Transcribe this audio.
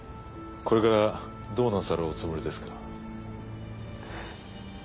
これからどうなさるおつもりですか？